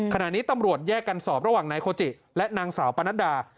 ขณะนี้ตำรวจแยกกันสอบระหว่างนายโคจิและนางสาวปนัดดา